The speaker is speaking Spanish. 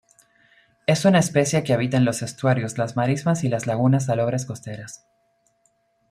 Es una especie que habita en los estuarios, las marismas y lagunas salobres costeras.